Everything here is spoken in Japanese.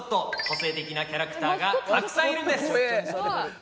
個性的なキャラクターがたくさんいるんです！